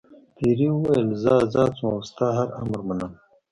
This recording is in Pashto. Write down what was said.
پیري وویل زه آزاد شوم او ستا هر امر منم.